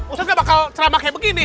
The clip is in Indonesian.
ustadz gak bakal ceramak kayak begini